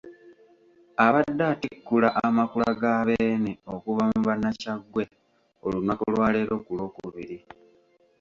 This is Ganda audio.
Abadde atikkula Amakula ga Beene okuva mu bannakyaggwe olunaku lwa leero ku Lwokubiri.